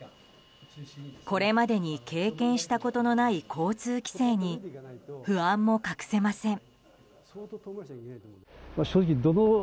これまでに経験したことのない交通規制に不安も隠せません。